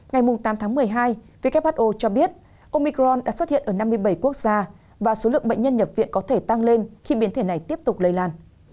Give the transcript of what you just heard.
ngày tám tháng một mươi hai who cho biết omicron đã xuất hiện ở năm mươi bảy quốc gia và số lượng bệnh nhân nhập viện có thể tăng lên khi biến thể này tiếp tục lây lan